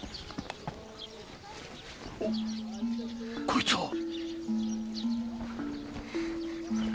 こいつは。